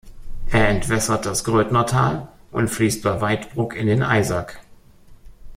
Er entwässert das Grödner Tal und fließt bei Waidbruck in den Eisack.